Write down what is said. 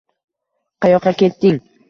“Qayoqqa ketding?